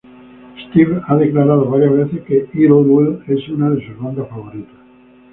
Steve ha declarado varias veces que Idlewild es una de sus bandas favoritas.